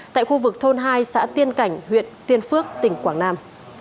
tại khu vực thôn hai xã tiên cảnh huyện tiên phước tỉnh quảng nam